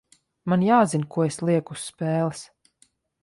Man jāzina, ko es lieku uz spēles.